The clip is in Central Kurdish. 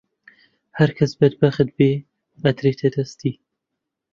هەرکەس بەدبەخت بێ ئەدرێتە دەستی